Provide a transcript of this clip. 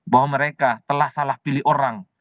bahwa mereka telah salah pilih orang